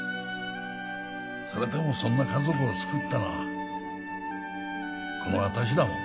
それでもそんな家族をつくったのはこの私だもんね。